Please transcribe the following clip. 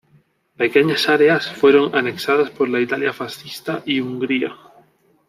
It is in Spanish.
Pequeñas áreas fueron anexadas por la Italia fascista y Hungría.